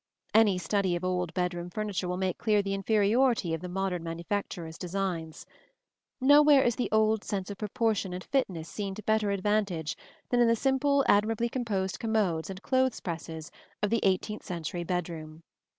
Any study of old bedroom furniture will make clear the inferiority of the modern manufacturer's designs. Nowhere is the old sense of proportion and fitness seen to better advantage than in the simple, admirably composed commodes and clothes presses of the eighteenth century bedroom.